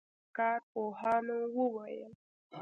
کارپوهانو وویل